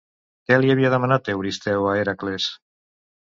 Què li havia demanat Euristeu a Hèracles?